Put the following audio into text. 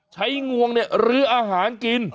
ใช้งวงเนี่ยลื้ออาหารกิน